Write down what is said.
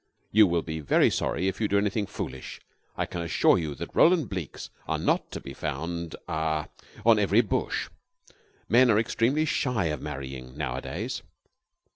You will be very sorry if you do anything foolish. I can assure you that Roland Blekes are not to be found ah on every bush. Men are extremely shy of marrying nowadays."